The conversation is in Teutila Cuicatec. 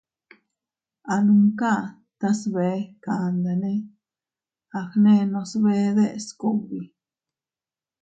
A numka tas bee kandane a gnenos bee deʼes kugbi.